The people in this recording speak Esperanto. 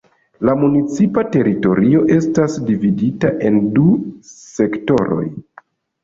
La municipa teritorio estas dividita en du sektoroj.